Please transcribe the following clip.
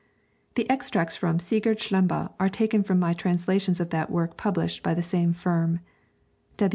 The extracts from 'Sigurd Slembe' are taken from my translation of that work published by the same firm.